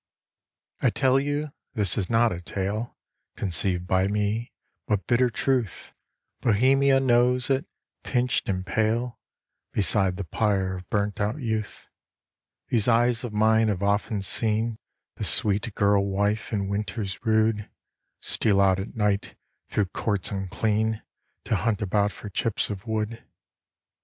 I tell you, this is not a tale Conceived by me, but bitter truth; Bohemia knows it, pinched and pale, Beside the pyre of burnt out youth: These eyes of mine have often seen The sweet girl wife, in winters rude, Steal out at night, through courts unclean, To hunt about for chips of wood.